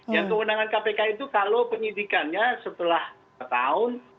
yang keundangan kpk itu kalau penyidikannya setelah setahun